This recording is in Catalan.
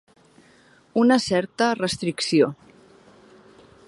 Una certa restricció.